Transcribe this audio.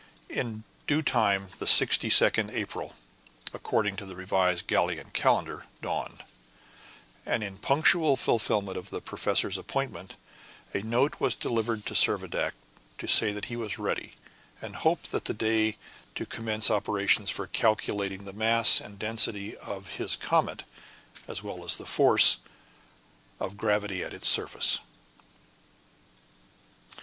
In due time the 62d April, according to the revised Gallian calendar, dawned; and in punctual fulfillment of the professor's appointment, a note was delivered to Servadac to say that he was ready, and hoped that day to commence operations for calculating the mass and density of his comet, as well as the force of gravity at its surface.